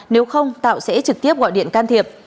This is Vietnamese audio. nếu không tạo sẽ trực tiếp gọi điện can thiệp